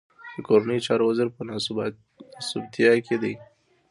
د کورنيو چارو وزير په ناسوبتيا کې دی.